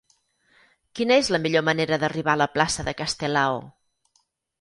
Quina és la millor manera d'arribar a la plaça de Castelao?